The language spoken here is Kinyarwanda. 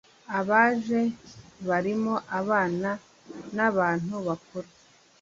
Abaje barimo abana n’abantu bakuru